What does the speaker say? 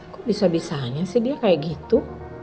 kok bisa bisanya sih dia kayak gitu